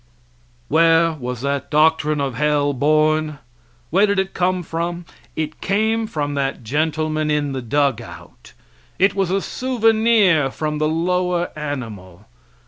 Where was that doctrine of hell born? Where did it come from? It came from that gentleman in the dug out; it was a souvenir from the lower animal.